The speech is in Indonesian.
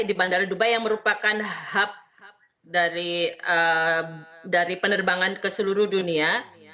di bandara dubai yang merupakan hub hub dari penerbangan ke seluruh dunia